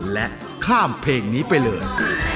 และข้ามเพลงนี้ไปเลย